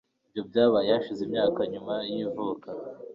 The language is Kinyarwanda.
Ibyo byabaye hashize imyaka nyuma y ivuka